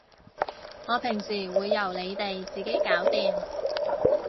我平時會由你哋自己搞掂